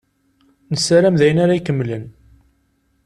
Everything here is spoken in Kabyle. Nessaram d ayen ara ikemmlen.